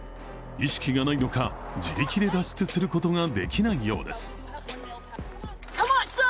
意識がないのか、自力で脱出することができないようです。